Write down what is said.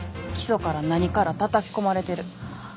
基礎から何からたたき込まれてる。